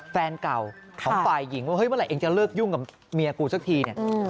แฟนเก่าของป่ายหญิงว่าเมื่อไหร่จะเลิกยุ่งกับเมียกูซักที